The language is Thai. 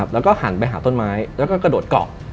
แล้วก็หันไปหาต้นไม้แล้วก็กระโดดเกาะ